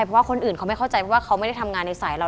เพราะว่าคนอื่นเขาไม่เข้าใจว่าเขาไม่ได้ทำงานในสายเรา